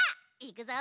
いくぞ！